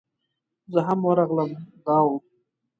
زه هم ورغلم دا و.